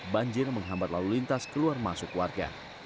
banjir menghambat lalu lintas keluar masuk warga